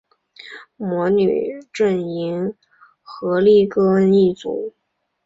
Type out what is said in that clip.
魔女阵营荷丽歌恩一族